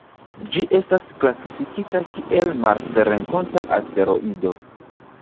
Ĝi estas klasifikita kiel marsrenkonta asteroido.